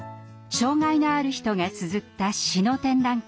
障害のある人がつづった詩の展覧会